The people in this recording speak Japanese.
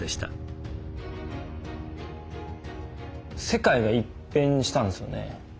世界が一変したんですよね。